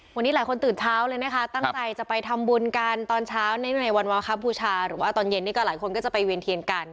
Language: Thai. วันนี้หลายคนตื่นเช้าเลยนะคะตั้งใจจะไปทำบุญกันตอนเช้าในวันวาคบูชาหรือว่าตอนเย็นนี่ก็หลายคนก็จะไปเวียนเทียนกัน